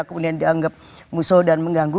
kemudian dianggap musuh dan mengganggu